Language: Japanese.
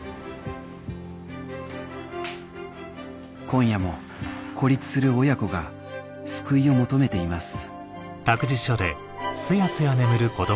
今夜も孤立する親子が救いを求めています